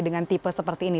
dengan tipe seperti ini